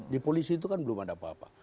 di polisi itu kan belum ada apa apa